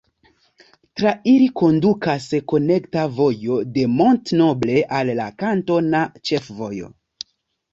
Tra ili kondukas konekta vojo de Mont-Noble al la kantona ĉefvojo.